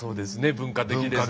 文化的です。